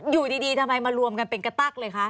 อยู่ดีทำไมมารวมกันเป็นกระตั๊กเลยคะ